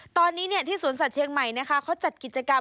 ตอนนี้ที่สวนสัตว์เชียงใหม่นะคะเขาจัดกิจกรรม